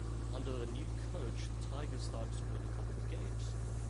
Under the new coach the Tigers started to win a couple of games.